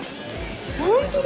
本当だ！